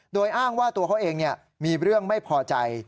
โดยอ้างว่าตัวเขาเองมีเรื่องไม่พอใจ